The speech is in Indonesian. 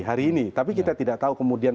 hari ini tapi kita tidak tahu kemudian